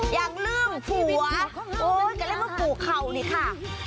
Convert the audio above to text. อยากลืมหัวโอ้ยก่อนแล้วมาปลูกเขาค่ะ